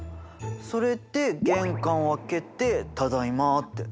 それで玄関を開けてただいまって。